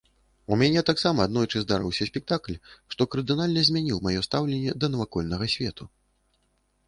У мяне таксама аднойчы здарыўся спектакль, што кардынальна змяніў маё стаўленне да навакольнага свету.